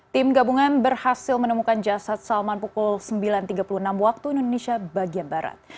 tim gabungan berhasil menemukan jasad salman pukul sembilan tiga puluh enam waktu indonesia bagian barat